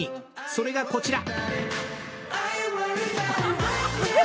それがこちら。